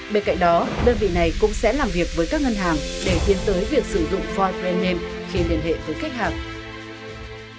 bên cạnh đó đơn vị này cũng sẽ làm việc với các ngân hàng để tiến tới việc sử dụng void brand name khi liên hệ với khách hàng